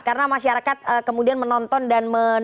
karena masyarakat kemudian menonton dan menonton